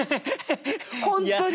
本当にね。